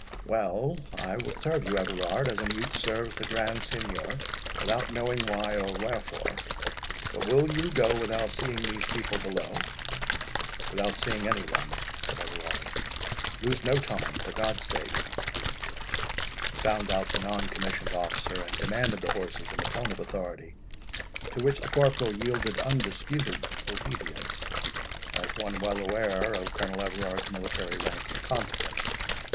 "Well, I will serve you, Everard, as a mute serves the Grand Signior, without knowing why or wherefore. But will you go without seeing these people below?" "Without seeing any one," said Everard; "lose no time, for God's sake." He found out the non commissioned officer, and demanded the horses in a tone of authority, to which the corporal yielded undisputed obedience, as one well aware of Colonel Everard's military rank and consequence.